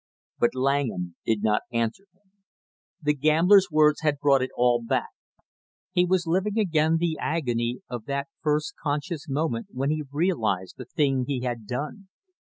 But Langham did not answer him. The gambler's words had brought it all back; he was living again the agony of that first conscious moment when he realized the thing he had done.